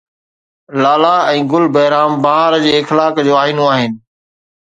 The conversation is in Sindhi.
لالا ۽ گل بهرام بهار جي اخلاق جو آئينو آهن